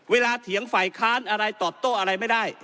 เถียงฝ่ายค้านอะไรตอบโต้อะไรไม่ได้